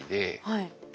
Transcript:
はい。